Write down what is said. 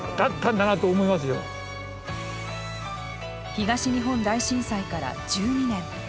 東日本大震災から１２年。